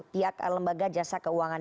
pihak lembaga jasa keuangan